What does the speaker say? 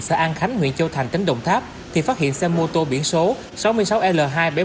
xã an khánh huyện châu thành tỉnh đồng tháp thì phát hiện xe mô tô biển số sáu mươi sáu l hai mươi bảy nghìn một trăm hai mươi tám